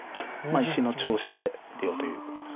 石の調子で出ようということです。